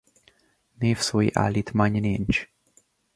Névszói állítmány nincs.